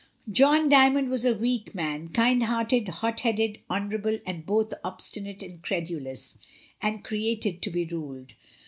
John Dymond was a weak man, kind hearted, hot headed, honourable, and both obstinate and credulous, and created to be ruled.